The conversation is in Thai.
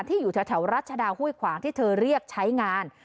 อยู่แถวรัชดาห้วยขวางที่เธอเรียกใช้งาน